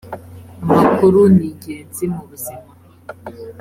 amakuru ningenzi mubuzima.